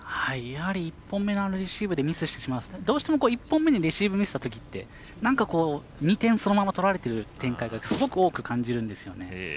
やはり、１本目のレシーブでミスしてしまうとどうしても１本目でレシーブミスしてしまったときってなんか、２点そのまま取られてる展開がすごく多く感じるんですよね。